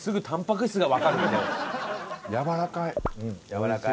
やわらかい。